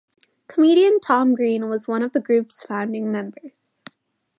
Comedian Tom Green was one of the group's founding members.